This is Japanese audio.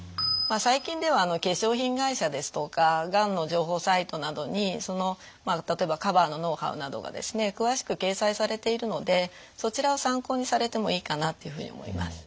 最近では化粧品会社ですとかがんの情報サイトなどにその例えばカバーのノウハウなどがですね詳しく掲載されているのでそちらを参考にされてもいいかなっていうふうに思います。